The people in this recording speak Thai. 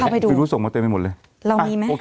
ไม่รู้ส่งมาเต็มไปหมดเลย